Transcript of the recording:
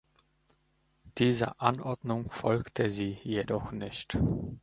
Dieser Anordnung folgte sie jedoch nicht.